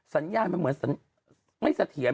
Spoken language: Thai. สัญญาณมันเหมือนไม่เสถียร